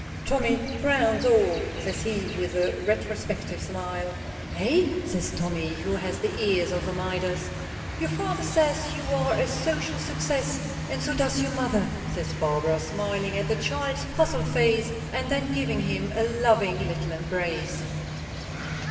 "Tommy crowns all!" says he with a retrospective smile. "Eh?" says Tommy, who has the ears of a Midas. "Your father says you are a social success, and so does your mother," says Barbara, smiling at the child's puzzled face, and then giving him a loving little embrace.